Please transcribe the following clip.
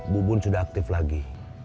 bubun sudah aktif lagi